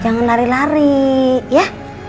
jangan lari lari ya